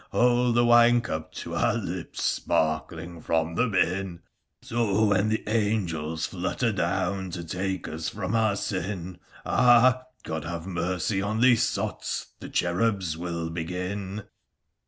Hold the winecup to our lips sparkling from the bin 1 So, when angels nutter down to take us from our sin, ' Ah 1 God have mercy on these sots I ' the cherubs will begin.